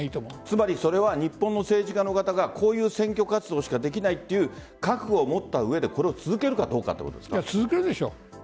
つまり日本の政治家の方がこういう選挙活動しかできないという覚悟を持った上でこれを続けるかどうか続けるでしょう。